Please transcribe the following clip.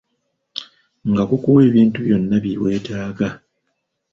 Nga kukuwa ebintu byonna bye weetaaga.